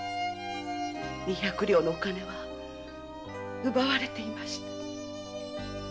二百両のお金は奪われていました。